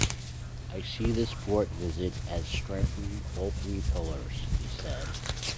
"I see this port visit as strengthening all three pillars," he said.